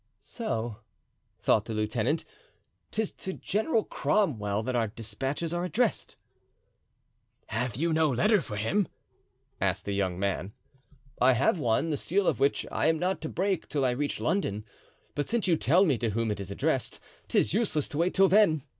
"So!" thought the lieutenant, "'tis to General Cromwell that our dispatches are addressed." "Have you no letter for him?" asked the young man. "I have one, the seal of which I am not to break till I reach London; but since you tell me to whom it is addressed, 'tis useless to wait till then."